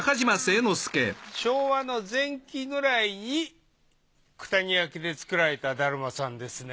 昭和の前期くらいに九谷焼で作られた達磨さんですね。